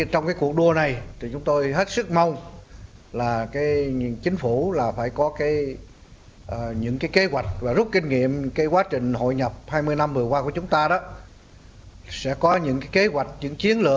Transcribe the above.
trong cuộc đua này chúng tôi rất mong chính phủ phải có những kế hoạch và rút kinh nghiệm quá trình hội nhập hai mươi năm vừa qua của chúng ta